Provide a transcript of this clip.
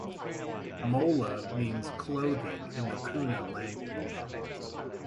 "Mola" means "clothing" in the Kuna language.